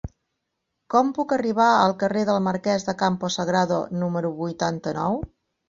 Com puc arribar al carrer del Marquès de Campo Sagrado número vuitanta-nou?